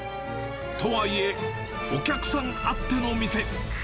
とはいえ、お客さんあっての店。